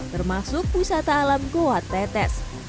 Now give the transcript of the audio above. termasuk wisata alam goa tetes